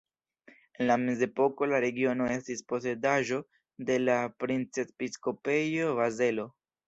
En mezepoko la regiono estis posedaĵo de la Princepiskopejo Bazelo.